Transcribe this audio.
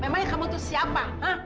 memangnya kamu itu siapa